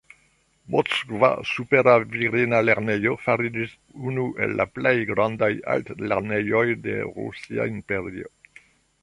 Moskva supera virina lernejo fariĝis unu el la plej grandaj altlernejoj de Rusia Imperio.